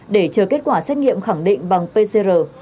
để chờ kết quả xét nghiệm khẳng định bằng pcr